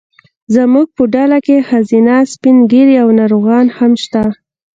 زموږ په ډله کې ښځینه، سپین ږیري او ناروغان هم شته.